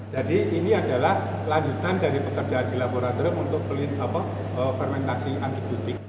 jadi ini adalah lanjutan dari pekerjaan di laboratorium untuk fermentasi antibiotik